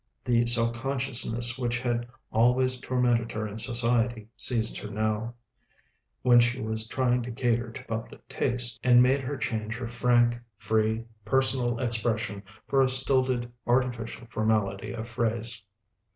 The self consciousness which had always tormented her in society seized her now, when she was trying to cater to public taste, and made her change her frank, free, personal expression for a stilted artificial formality of phrase.